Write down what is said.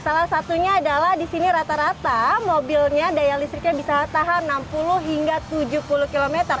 salah satunya adalah di sini rata rata mobilnya daya listriknya bisa tahan enam puluh hingga tujuh puluh km